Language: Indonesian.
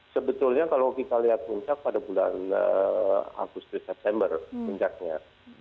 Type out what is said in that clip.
sebetulnya kalau kita lihat puncak pada bulan agustus september puncaknya